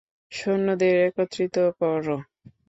সৈন্যদের একত্রিত কর।